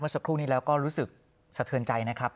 สักครู่นี้แล้วก็รู้สึกสะเทือนใจนะครับ